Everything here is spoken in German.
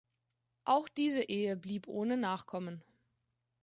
Auch diese Ehe blieb ohne Nachkommen.